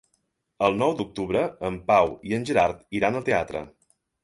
El nou d'octubre en Pau i en Gerard iran al teatre.